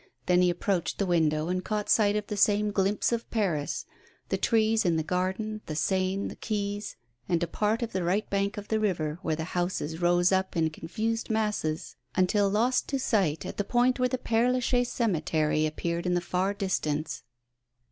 Then he approached the window and caught sight of the same glimpse of Paris; the trees in the garden, the Seine, the quays, and a part of the right bank of the river, where the houses rose up in confused masses until lost to sight at the point where the Pere Lachaise cemetery appeared in the far distance.